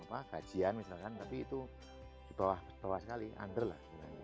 berupa uang gajian misalkan tapi itu bawah sekali under lah